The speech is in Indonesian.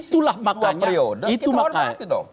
dua periode kita orang hati dong